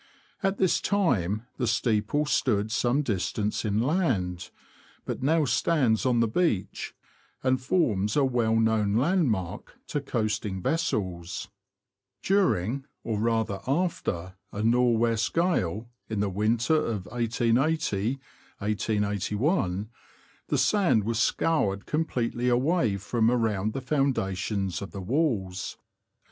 At this time the steeple stood some distance inland, but now stands on the beach, and forms a well known landmark to coasting vessels. During, or rather after, a Nor' west gale, in the winter of • 1 880 1, the sand was scoured completely away from around the foundations of the walls.